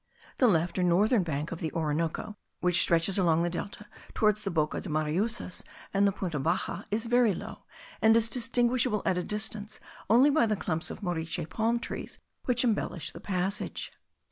The left, or northern bank of the Orinoco, which stretches along the delta towards the Boca de Mariusas and the Punta Baxa, is very low, and is distinguishable at a distance only by the clumps of moriche palm trees which embellish the passage.